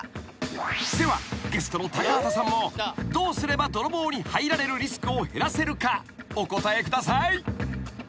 ［ではゲストの高畑さんもどうすれば泥棒に入られるリスクを減らせるかお答えください］